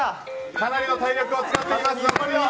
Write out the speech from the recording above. かなりの体力を使っています。